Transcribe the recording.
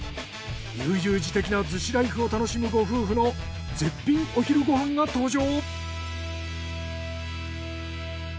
悠々自適な逗子ライフを楽しむご夫婦の絶品お昼ご飯が登場！